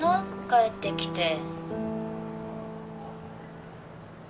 帰って来て。